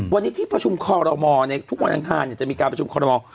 วันนี้ที่ประชุมคอลโรมอล์เนี่ยทุกวันทางทางเนี่ยจะมีการประชุมคอลโรมอล์